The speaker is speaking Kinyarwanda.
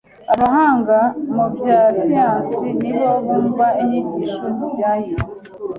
Abahanga mu bya siyansi ni bo bumva inyigisho zijyanye.